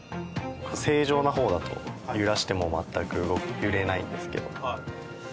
正常な方だと揺らしても全く揺れないんですけど。